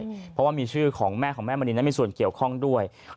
เพราะว่ามีชื่อของแม่ของแม่มณีนั้นมีส่วนเกี่ยวข้องด้วย